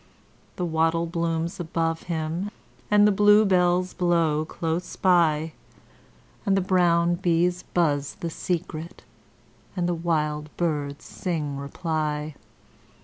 The wattle blooms above him, and the blue bells blow close by, And the brown bees buzz the secret, and the wild birds sing reply.